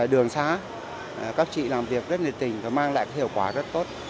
đường xá các chị làm việc rất nhiệt tình và mang lại hiệu quả rất tốt